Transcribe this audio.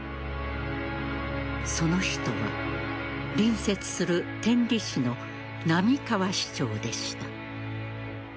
その人は隣接する天理市の並河市長でした。